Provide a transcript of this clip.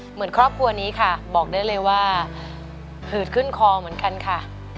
เหมือนครอบครัวนี้ค่ะบอกได้เลยว่าหืดขึ้นคอเหมือนกันค่ะ